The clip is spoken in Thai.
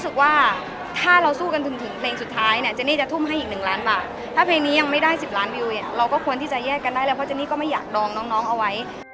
คือ๑๐ล้านวิวใช่ไหมคะ